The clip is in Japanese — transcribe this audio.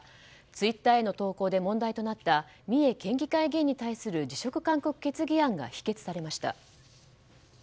ツイッターへの投稿で問題となった三重県議会議員に対する辞職勧告決議案が否決されました。